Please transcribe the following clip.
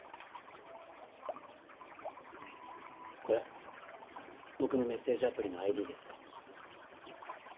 これ僕のメッセージアプリのＩＤです。